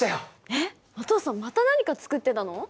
えっお父さんまた何か作ってたの？